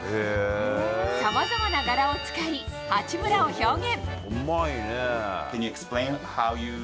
さまざまな柄を使い八村を表現。